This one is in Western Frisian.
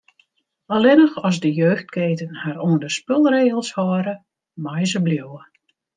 Allinnich as de jeugdketen har oan de spulregels hâlde, meie se bliuwe.